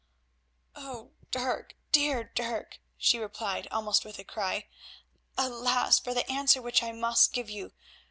"Dirk, dear Dirk," she replied almost with a cry, "alas! for the answer which I must give you.